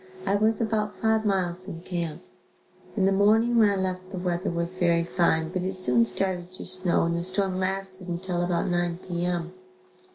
I was about five miles from camp. In the morning when I left the weather was very fine but it soon started to snow and the storm lasted until about 9 P. M.